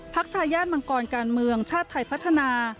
ทายาทมังกรการเมืองชาติไทยพัฒนา